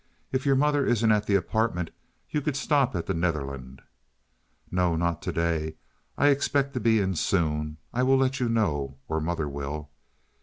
If your mother isn't at the apartment you could stop at the Netherland." "No, not to day. I expect to be in soon. I will let you know, or mother will."